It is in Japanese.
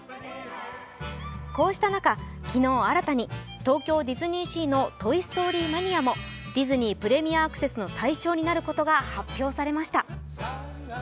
こうした中、昨日、新たに東京ディズニーシーのトイ・ストーリー・マニア！もディズニー・プレミアアクセスの対象になることが発表されました。